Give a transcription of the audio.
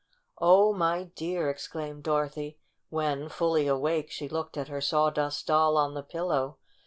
"Oh, my dear I" exclaimed Dorothy, when, fully awake, she looked at her Saw dust Doll on the pillow.